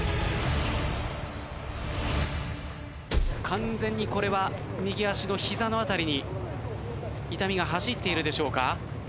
完全にこれは右足の膝の辺りに痛みが走っているでしょうか？